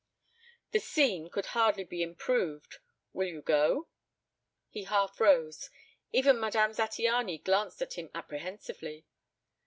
"The scene could hardly be improved. Will you go?" He half rose. Even Madame Zattiany glanced at him apprehensively.